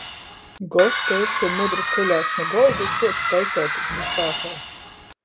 Gosti eistyn mudri ceļās nu golda i suoc taiseitīs da sātai.